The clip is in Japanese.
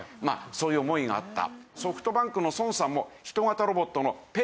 そういう思いがあった。